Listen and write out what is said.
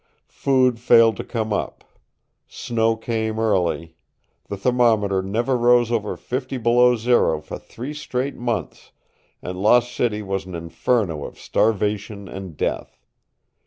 Food failed to come up. Snow came early, the thermometer never rose over fifty below zero for three straight months, and Lost City was an inferno of starvation and death.